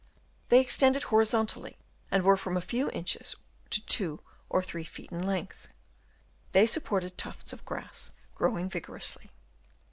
They extended horizontally and were from a few inches to two or three feet in length. They supported tufts of grass growing vigorously.